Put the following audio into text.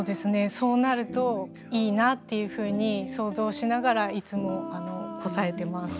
そうなるといいなっていうふうに想像しながらいつもこさえてます。